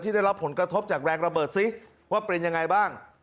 ได้รับผลกระทบจากแรงระเบิดซิว่าเป็นยังไงบ้าง